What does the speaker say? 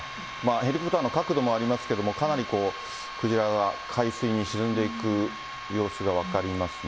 ヘリコプターの角度もありますけど、かなりこう、クジラが海水に沈んでいく様子が分かりますね。